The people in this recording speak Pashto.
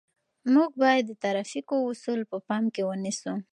موږ باید د ترافیکو اصول په پام کې ونیسو.